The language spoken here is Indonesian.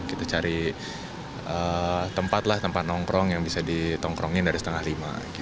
kita cari tempat lah tempat nongkrong yang bisa ditongkrongin dari setengah lima